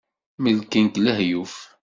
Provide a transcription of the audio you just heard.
Melken-k lehyuf.